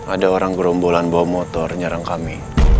ada orang gerombolan bawa motor nyerang kami